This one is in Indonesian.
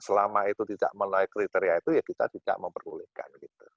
selama itu tidak melalui kriteria itu ya kita tidak memperbolehkan gitu